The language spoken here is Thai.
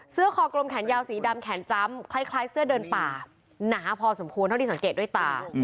คอกลมแขนยาวสีดำแขนจำคล้ายเสื้อเดินป่าหนาพอสมควรเท่าที่สังเกตด้วยตา